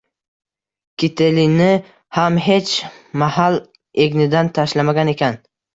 Kitelini ham hech mahal egnidan tashlamagan ekan.